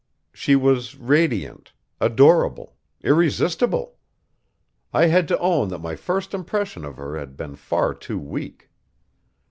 She was radiant, adorable, irresistible; I had to own that my first impression of her had been far too weak.